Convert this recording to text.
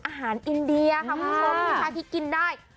อาหารอินเดียครับเพราะมันคืออาหารที่กินได้